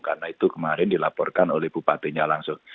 karena itu kemarin dilaporkan oleh bupatinya langsung